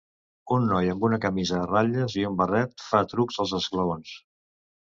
Un noi amb una camisa a ratlles i un barret fa trucs als esglaons.